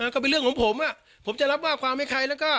ก็เป็นเรื่องของผมผมจะรับว่าความให้ใครแล้วก็